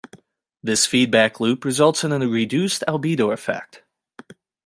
This feedback loop results in a reduced albedo effect.